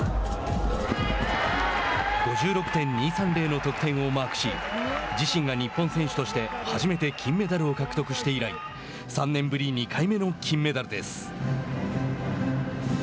の得点をマークし自身が日本選手として初めて金メダルを獲得して以来３年ぶり２回目の金メダルです。